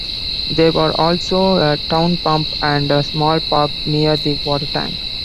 There was also a town pump and a small park near the water tank.